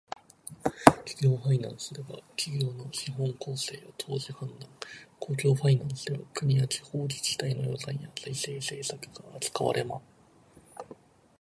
個人ファイナンスでは家計の管理、企業ファイナンスでは企業の資本構成や投資判断、公共ファイナンスでは国や地方自治体の予算や財政政策が扱われます。